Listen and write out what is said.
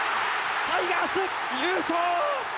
タイガース、優勝！